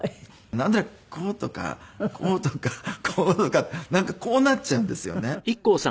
なんとなくこうとかこうとかこうとかなんかこうなっちゃうんですよね。